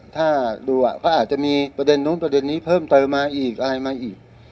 ถ้าดูก็อาจจะมีประเด็นนู้นประเด็นนี้เพิ่มเติมมาอีกอะไรมาอีก